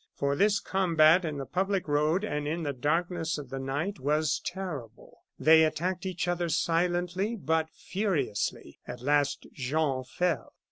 For this combat in the public road, and in the darkness of the night, was terrible. They attacked each other silently but furiously. At last Jean fell."